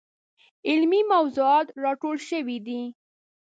علمي موضوعات راټول شوي دي.